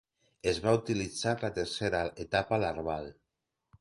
Es va utilitzar la tercera etapa larval.